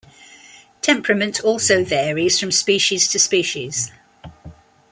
Temperament also varies from species to species.